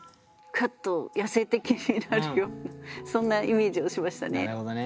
クッと野性的になるようなそんなイメージをしましたね。